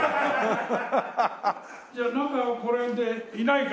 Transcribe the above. じゃあなんかこれでいないか？